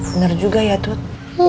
bener juga ya tut